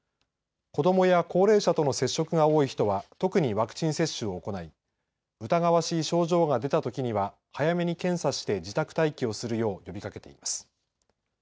子どもや高齢者との接触が多い人は特にワクチン接種を行い疑わしい症状が出たときには早めに検査して自宅待機をするよう呼びかけています。